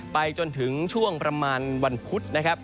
ไปจนถึงช่วงประมาณวันพุธ